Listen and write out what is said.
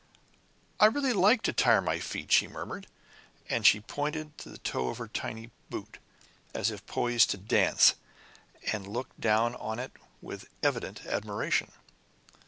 "I really like to tire my feet," she murmured, and she pointed the toe of her tiny boot, as if poised to dance, and looked down on it with evident admiration.